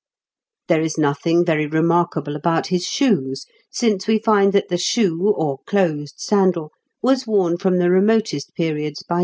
There is nothing very remarkable about his shoes, since we find that the shoe, or closed sandal, was worn from the remotest periods by nearly all nations (Figs.